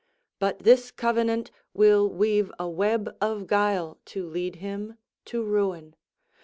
But this covenant will weave a web of guile to lead him to ruin.